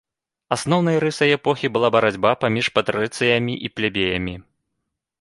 Асноўнай рысай эпохі была барацьба паміж патрыцыямі і плебеямі.